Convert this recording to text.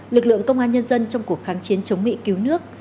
lực lượng công an nhân dân trong cuộc kháng chiến chống mỹ cứu nước